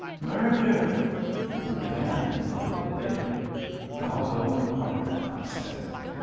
"Mur der!" we heard again, a little later. "I'll go and part them," I said.